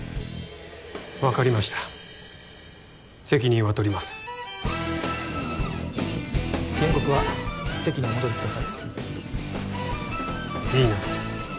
分かりました責任は取ります原告は席にお戻りくださいいいな